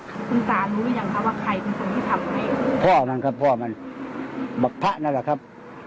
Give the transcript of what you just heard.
คุณตารู้หรือยังคะว่าใครคุณฟังที่ทำอะไรพ่อมันครับพ่อมันพ่อนั่นแหละครับ